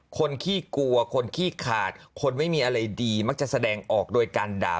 ขี้กลัวคนขี้ขาดคนไม่มีอะไรดีมักจะแสดงออกโดยการด่า